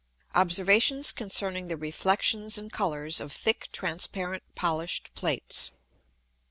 _ _Observations concerning the Reflexions and Colours of thick transparent polish'd Plates.